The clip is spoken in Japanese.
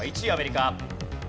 １位アメリカ。